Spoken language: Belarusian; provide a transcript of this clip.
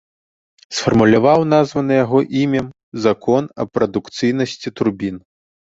Сфармуляваў названы яго імем закон аб прадукцыйнасці турбін.